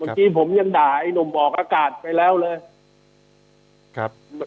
เมื่อกี้ผมยังด่าไอ้หนุ่มออกอากาศไปแล้วเลย